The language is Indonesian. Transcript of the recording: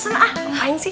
terserah main sih